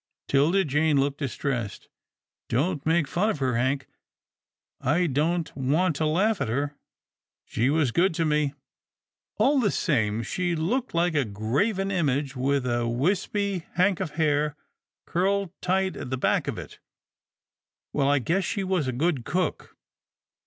'Tilda Jane looked distressed. " Don't make fun of her, Hank. I don't want to laugh at her. She was good to me." " All the same, she looked like a graven image with a wispy hank of hair curled tight at the back of it — Well, I guess she was a good cook.